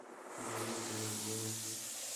Darling, তুমি উঠবে নাকি?